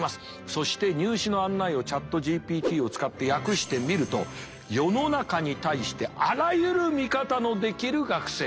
そして入試の案内をＣｈａｔＧＰＴを使って訳してみると世の中に対してあらゆる見方のできる学生を求めている。